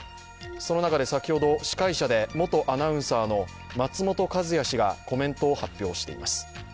その中で先ほど、司会者で元アナウンサーの松本和也氏がコメントを発表しています。